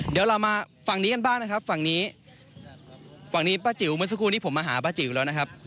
เดี๋ยวเรามาฝั่งนี้กันบ้างนะครับฝั่งนี้ฝั่งนี้ป้าจิ๋วเมื่อสักครู่นี้ผมมาหาป้าจิ๋วแล้วนะครับ